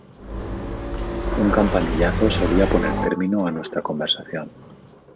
Un campanillazo solía poner término a nuestra conversación.